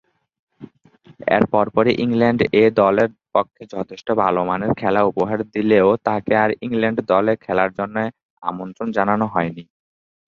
এর পরপরই England A দলের পক্ষে যথেষ্ট ভালোমানের খেলা উপহার দিলেও তাকে আর ইংল্যান্ড দলে খেলার জন্যে আমন্ত্রণ জানানো হয়নি।